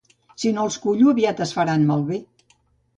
Si no els cullo aviat es faran malbé